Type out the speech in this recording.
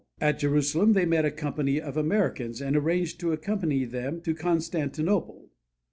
At Jerusalem they met a company of Americans, and arranged to accompany them to Constantinople.